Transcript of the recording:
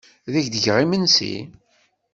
Ad ak-d-geɣ imensi?